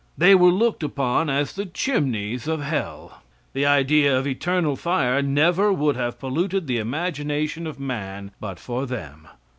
They were looked upon as the chimneys of hell. The idea of eternal fire never would have polluted the imagination of man but for them.